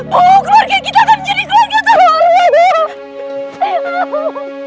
bu keluarga kita akan jadi keluarga terbaru